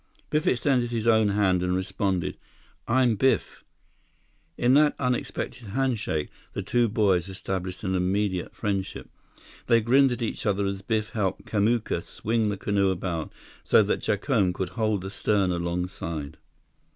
Biff extended his own hand and responded, "I'm Biff." In that unexpected handshake, the two boys established an immediate friendship. They grinned at each other as Biff helped Kamuka swing the canoe about so that Jacome could hold the stern alongside.